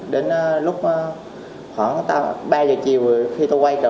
đến lúc khoảng ba giờ chiều khi tôi quay trở